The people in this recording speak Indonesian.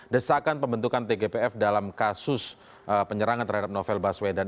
desakan pembentukan tgpf dalam kasus penyerangan terhadap novel baswedan